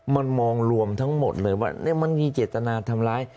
มันมองรวมทั้งหมดเลยว่ามันมีเจตนาทำร้าย